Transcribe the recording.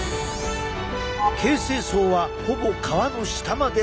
形成層はほぼ皮の下まで大移動！